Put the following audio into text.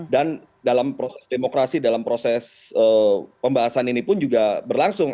dan dalam proses demokrasi dalam proses pembahasan ini pun juga berlangsung